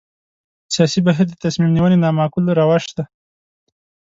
سیاسي بهیر د تصمیم نیونې نامعقول روش دی.